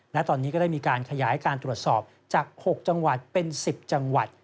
และตอนนี้ก็ได้มีการขยายการตรวจสอบจาก๖จังหวัดเป็น๑๐จังหวัด